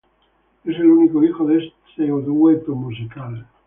Es el único hijo de este dueto musical.